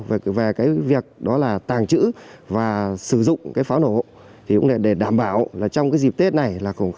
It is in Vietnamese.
về việc tàng trữ và sử dụng pháo nổ để đảm bảo trong dịp tết này